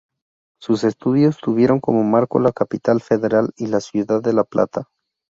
Sus estudios tuvieron como marco la Capital Federal y la ciudad de La Plata.